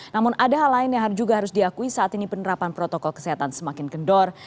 namun ada hal lain yang juga harus diakui saat ini penerapan protokol kesehatan semakin kendor